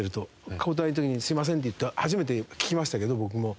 交代の時に「すみません」って言った初めて聞きましたけど僕も。